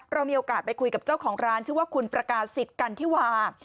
เรามีโอกาสไปคุยกับเจ้าของร้านชื่อว่าคุณประกาศิษย์กันที่วา